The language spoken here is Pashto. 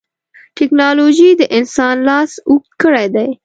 ټکنالوجي د انسان لاس اوږد کړی دی.